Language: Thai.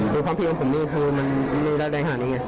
ไม่คิดว่ามันจะร้ายแรงขนาดนี้